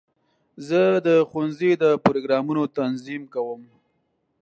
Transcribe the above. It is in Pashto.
زه د ښوونځي د پروګرامونو تنظیم کوم.